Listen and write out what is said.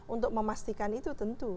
untuk memastikan itu tentu